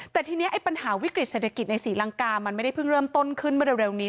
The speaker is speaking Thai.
แต่ทีนี้ไอ้ปัญหาวิกฤตเศรษฐกิจในศรีลังกามันไม่ได้เพิ่งเริ่มต้นขึ้นมาเร็วนี้